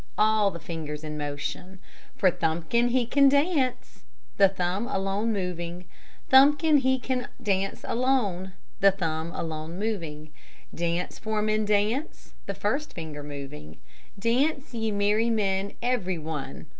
(all the fingers in motion For Thumbkin, he can dance alone, (the thumb alone moving Thumbkin, he can dance alone. (the thumb alone moving Dance, Foreman, dance, (the first finger moving Dance, ye merrymen, everyone.